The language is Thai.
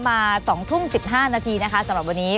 มา๒ทุ่ม๑๕นาทีนะคะสำหรับวันนี้